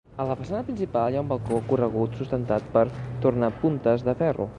A la façana principal hi ha un balcó corregut sustentat per tornapuntes de ferro.